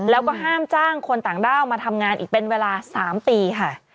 แล้วก็ห้ามจ้างคนต่างด้าวมาทำงานอีกเป็นเวลา๓ปีค่ะ